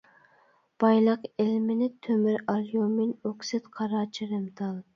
بايلىق ئىلمېنىت، تۆمۈر ئاليۇمىن ئوكسىد، قارا چىرىمتال.